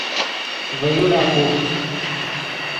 ڤے یوڑا پوف